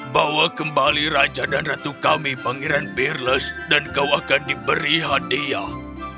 bawa kembali raja dan ratu kami pangeran berles dan kau akan diberi hadiah